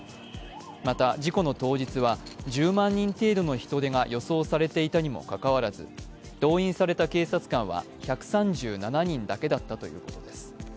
また、事故の当日は、１０万人程度の人出が予想されていたにもかかわらず動員された警察官は１３７人だけだったということです。